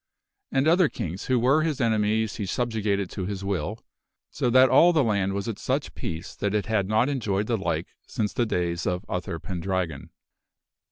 And other kings who were his enemies he subjugated to his will, so that all the land was at such peace that it had not enjoyed the like since the days of Uther Pendragon.